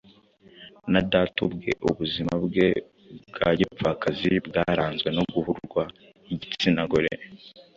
Na data ubwe, ubuzima bwe bwa gipfakazi bwaranzwe no guhurwa igitsina gore.